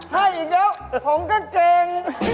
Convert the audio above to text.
ให้อีกแล้วผมก็เก่ง